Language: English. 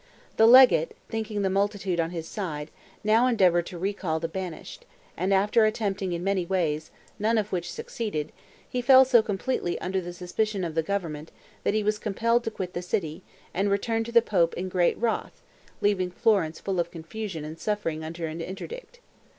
The legate, thinking the multitude on his side, now endeavored to recall the banished, and, after attempting in many ways, none of which succeeded, he fell so completely under the suspicion of the government, that he was compelled to quit the city, and returned to the pope in great wrath, leaving Florence full of confusion and suffering under an interdict.